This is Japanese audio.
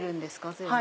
全部。